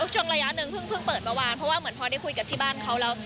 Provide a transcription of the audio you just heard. ช่วงระยะหนึ่งเพิ่งเปิดเมื่อวานเพราะว่าเหมือนพอได้คุยกับที่บ้านเขาแล้ว